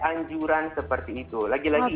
anjuran seperti itu lagi lagi